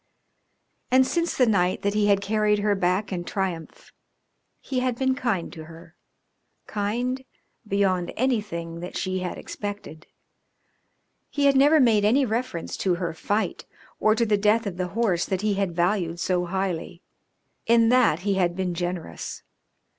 And since the night that he had carried her back in triumph he had been kind to her kind beyond anything that she had expected. He had never made any reference to her fight or to the death of the horse that he had valued so highly; in that he had been generous.